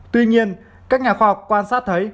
tuy nhiên các nhà khoa học quan sát